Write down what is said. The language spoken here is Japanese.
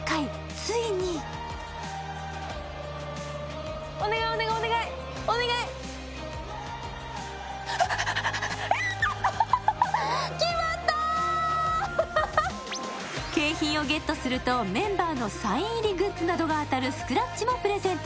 ついに景品をゲットすると、メンバーのサイン入りグッズなどが当たるスクラッチもプレゼント。